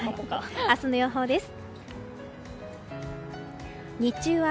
明日の予想です。